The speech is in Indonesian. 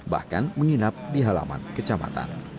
bahkan menginap di halaman kecamatan